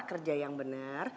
kerja yang bener